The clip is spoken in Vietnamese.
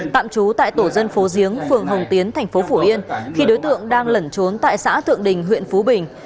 tạm trú tại tổ dân phố giếng phường hồng tiến thành phố phổ yên khi đối tượng đang lẩn trốn tại xã thượng đình huyện phú bình